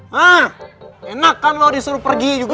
hah enak kan loh disuruh pergi juga